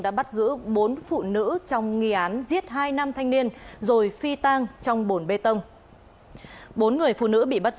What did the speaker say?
đã bắt giữ bốn phụ nữ trong nghi án giết hai đứa